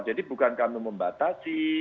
jadi bukan kami membatasi